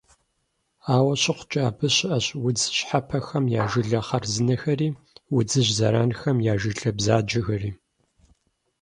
Ауэ щыхъукӀэ, абы щыӀэщ удз щхьэпэхэм я жылэ хъарзынэхэри удзыжь зэранхэм я жылэ бзаджэхэри.